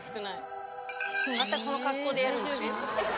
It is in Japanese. またこの格好でやるんですね。